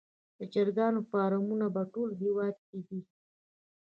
د چرګانو فارمونه په ټول هیواد کې دي